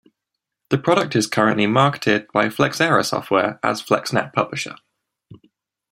The product is currently marketed by Flexera Software as FlexNet Publisher.